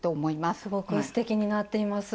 すごくすてきになっています。